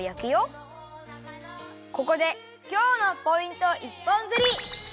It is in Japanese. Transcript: ここで今日のポイント一本釣り！